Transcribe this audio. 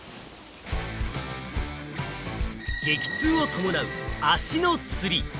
激痛を伴う足のつり。